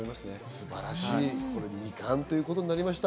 素晴らしい２冠ということになりました。